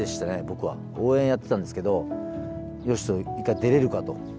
僕は応援やってたんですけど「嘉人一回出れるか？」と。